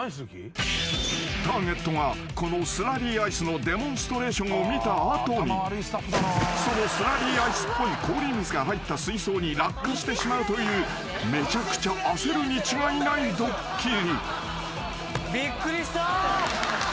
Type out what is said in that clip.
［ターゲットがこのスラリーアイスのデモンストレーションを見た後にそのスラリーアイスっぽい氷水が入った水槽に落下してしまうというめちゃくちゃ焦るに違いないドッキリ］